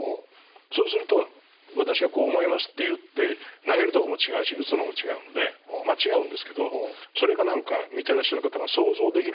そうすると私はこう思いますって言って投げるとこも違うし打つのも違うので間違うんですけどそれが何か見てらっしゃる方が想像できるらしいんですよ。